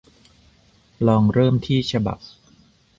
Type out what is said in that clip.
ลองเริ่มที่ฉบับ